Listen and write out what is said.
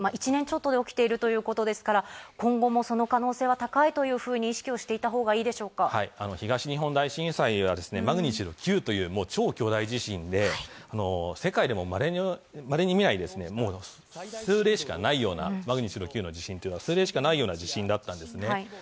１年ちょっとで起きているということですから、今後もその可能性は高いというふうに意識していたほうがいいでし東日本大震災はマグニチュード９という超巨大地震で世界でも稀に見ない、数例しかないようなマグニチュード９の地震というのは数例しかないような地震だったんです。